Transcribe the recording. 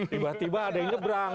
tiba tiba ada yang nyebrang